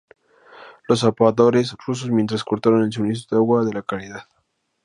Los zapadores rusos mientras cortaron el suministro de agua de la ciudad.